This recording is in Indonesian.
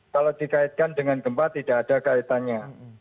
kalau dikaitkan dengan gempa tidak ada kaitannya